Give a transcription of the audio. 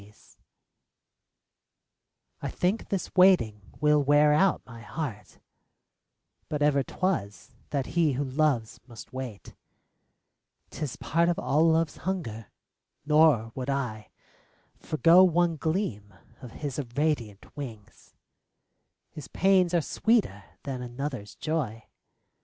24 THE LOVER WAITS I think this waiting will wear out my heart; But ever 't was, that he who loves must wait — 'T is part of all Love's hunger, nor would I Forego one gleam of his irradiant wings: His pains are sweeter than another's joy.